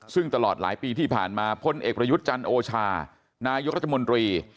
ซึ่งตลอดหลายปีที่ผ่านมาพลเอกประยุทธ์จันทร์โอชานายกรัฐมนตรี